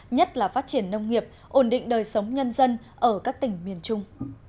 nhất là phát triển nông nghiệp ổn định đời sống nhân dân ở các tỉnh miền trung